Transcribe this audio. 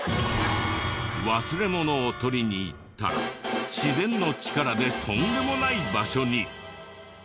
忘れ物を取りに行ったら自然の力でとんでもない場所に！